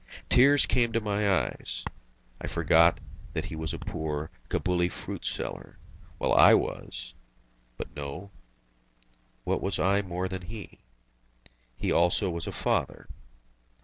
Tears came to my eyes. I forgot that he was a poor Cabuli fruit seller, while I was but no, what was I more than he? He also was a father.